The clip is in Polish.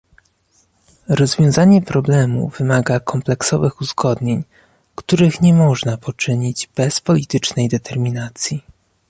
Rozwiązanie problemu wymaga kompleksowych uzgodnień, których nie można poczynić bez politycznej determinacji